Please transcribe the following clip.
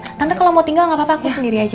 nanti kalau mau tinggal gak apa apa aku sendiri aja